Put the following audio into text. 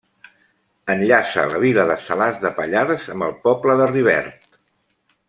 Enllaça la vila de Salàs de Pallars amb el poble de Rivert.